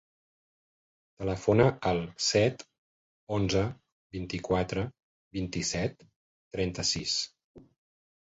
Telefona al set, onze, vint-i-quatre, vint-i-set, trenta-sis.